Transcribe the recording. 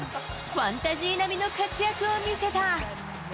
ファンタジー並みの活躍を見せた。